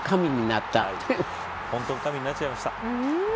本当に神になっちゃいました。